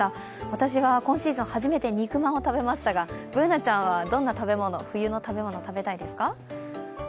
私は今シーズン初めて肉まんを食べましたがＢｏｏｎａちゃんはどんな冬の食べ物、食べたいですか？